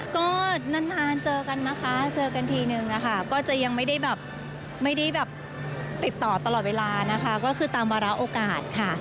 ก็นานเจอกันนะคะเจอกันทีนึงนะคะก็จะยังไม่ได้แบบไม่ได้แบบติดต่อตลอดเวลานะคะก็คือตามวาระโอกาสค่ะ